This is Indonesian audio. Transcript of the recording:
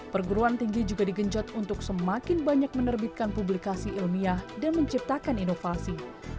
perguruan tinggi juga digenjot untuk semakin banyak menerbitkan publikasi ilmiah dan menciptakan inovasi